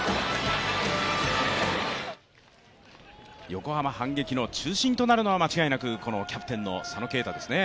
横浜反撃の中心となるのは間違いなくこのキャプテンの佐野恵太ですね。